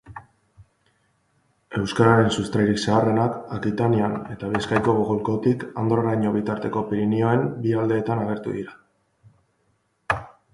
Euskararen sustrairik zaharrenak, Akitanian eta Bizkaiko golkotik Andorraraino bitarteko Pirinioen bi aldeetan agertu dira